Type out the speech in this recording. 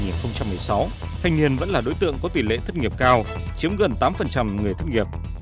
năm hai nghìn một mươi sáu thanh hiền vẫn là đối tượng có tỷ lệ thất nghiệp cao chiếm gần tám người thất nghiệp